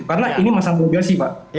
karena ini masalah keubiasi pak